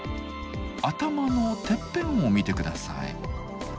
頭のてっぺんを見て下さい。